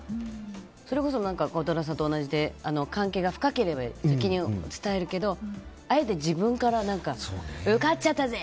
それこそ孝太郎さんと同じで関係が深ければ先に伝えるけどあえて自分から受かっちゃったぜ！